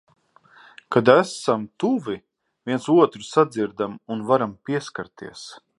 Kad esam tuvi, viens otru sadzirdam un varam pieskarties.